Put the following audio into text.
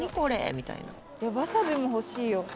みたいなわさびも欲しいよ